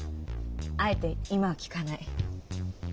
あえて今は聞かない。